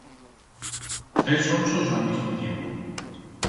Tres onsos a'l mismo tiempo.